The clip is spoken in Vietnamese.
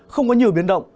không có nhiều biến động